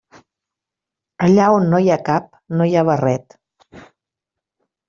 Allà on no hi ha cap no hi ha barret.